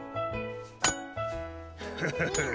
フフフッ。